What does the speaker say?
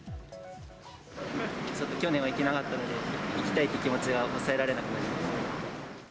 ちょっと去年は行けなかったので、行きたいという気持ちが抑えられなくなりました。